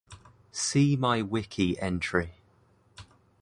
See my wiki entry.